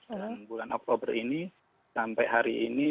dan bulan oktober ini sampai hari ini